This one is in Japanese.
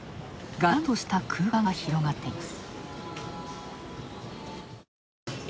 がらんとした空間が広がっています。